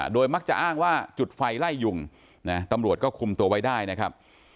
โดยมักจะอ้างว่าจุดไฟไล่ยุงนะตำรวจก็คุมตัวไว้ได้นะครับ